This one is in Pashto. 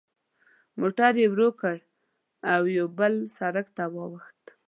موټر یې ورو کړ او یوه بل سړک ته واوښت.